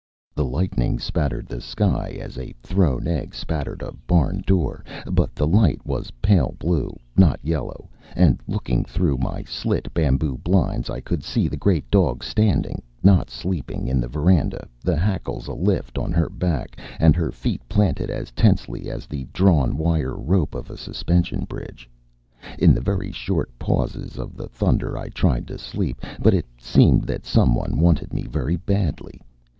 The lightning spattered the sky as a thrown egg spattered a barn door, but the light was pale blue, not yellow; and looking through my slit bamboo blinds, I could see the great dog standing, not sleeping, in the veranda, the hackles alift on her back, and her feet planted as tensely as the drawn wire rope of a suspension bridge. In the very short pauses of the thunder I tried to sleep, but it seemed that some one wanted me very badly.